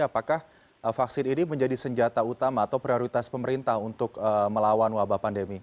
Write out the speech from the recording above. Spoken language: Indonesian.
apakah vaksin ini menjadi senjata utama atau prioritas pemerintah untuk melawan wabah pandemi